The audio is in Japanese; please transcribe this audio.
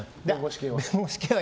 弁護士系は。